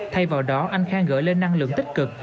thay vào đó anh khang gửi lên năng lượng tích cực